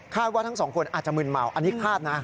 ว่าทั้งสองคนอาจจะมืนเมาอันนี้คาดนะ